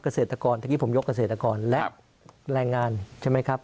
เกษตรกรเมื่อกี้ผมยกเกษตรกรและแรงงานใช่ไหมครับ